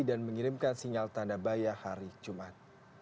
dan mengirimkan sinyal tanda bayah hari jumat